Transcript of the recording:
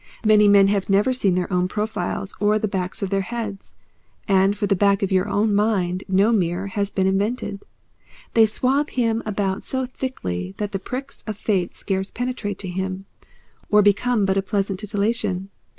Many men have never seen their own profiles or the backs of their heads, and for the back of your own mind no mirror has been invented. They swathe him about so thickly that the pricks of fate scarce penetrate to him, or become but a pleasant titillation.